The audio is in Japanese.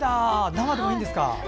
生でもいいんですか？